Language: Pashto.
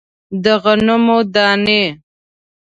د غنمو دانې